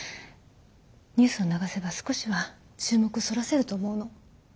ニュースを流せば少しは注目をそらせると思うの。